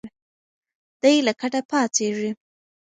دی له کټه پاڅېږي.